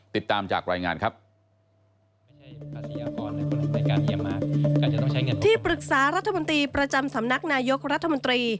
ติดตามจากรายงานครับ